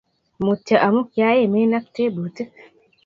Mutyo amu kaimin ago tebutik